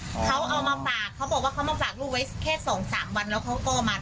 เขาเอามาฝากเขาบอกว่าเขามาฝากลูกไว้แค่สองสามวันแล้วเขาก็มา